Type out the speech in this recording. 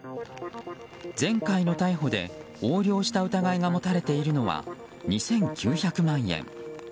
前回の逮捕で横領した疑いが持たれているのは２９００万円。